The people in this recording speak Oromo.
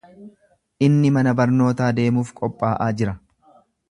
Inni mana barnootaa deemuuf qophaa'aa jira.